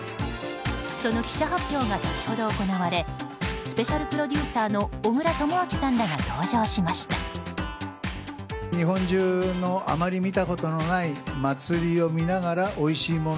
その記者発表が先ほど行われスペシャルプロデューサーの小倉智昭さんらが登場しました。